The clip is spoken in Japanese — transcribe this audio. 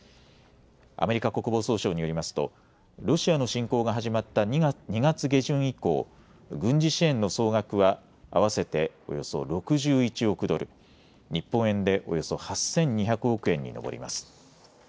アメリカ国防総省によりますとロシアの侵攻が始まった２月下旬以降、軍事支援の総額は合わせておよそ６１億ドル、日本円でおよそ８２００億円に上ります。